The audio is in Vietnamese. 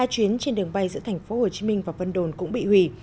hai chuyến trên đường bay giữa thành phố hồ chí minh và vân đồn cũng bị hủy